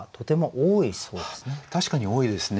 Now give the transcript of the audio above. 確かに多いですね。